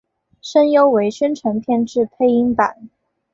声优为宣传片之配音版。